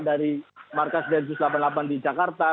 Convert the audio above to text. jadi mungkin mereka masih berkelilingan pak bitche satu dari fest